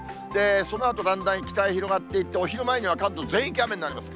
そのあとだんだん北へ広がっていって、お昼前には関東全域、雨になります。